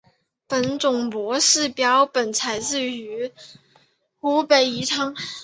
本种模式标本采自于湖北宜昌。